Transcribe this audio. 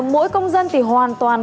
mỗi công dân thì hoàn toàn